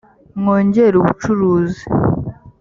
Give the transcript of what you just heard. mwonger ubucuruzi .